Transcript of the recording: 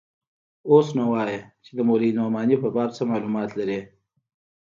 اوس نو وايه چې د مولوي نعماني په باب څه مالومات لرې.